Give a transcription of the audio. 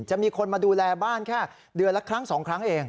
จะมีคนมาดูแลบ้านแค่เดือนละครั้ง๒ครั้งเอง